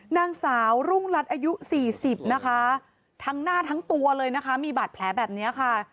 นางสาวรุ่งรัฐอายุ๔๐นะคะทั้งหน้าทั้งตัวเลยนะคะมีบาดแผลแบบนี้ค่ะ